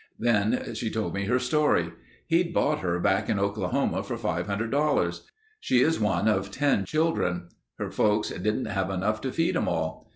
Then she told me her story. He'd bought her back in Oklahoma for $500. She is one of ten children. Her folks didn't have enough to feed 'em all.